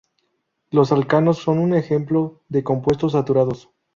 Los alcanos son un ejemplo de compuestos saturados.